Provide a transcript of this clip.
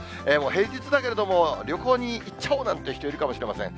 平日だけれども、旅行に行っちゃおうなんて人、いるかもしれません。